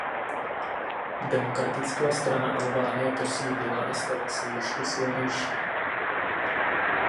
Demokratická strana Albánie posílila a stala se ještě silnější.